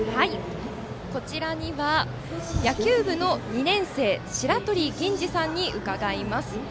こちらには、野球部の２年生しらとりけんじさんに伺います。